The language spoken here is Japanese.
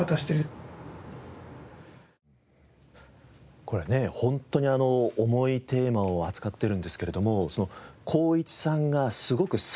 これね本当に重いテーマを扱っているんですけれども航一さんがすごく爽やかですよね。